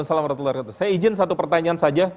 saya izin satu pertanyaan saja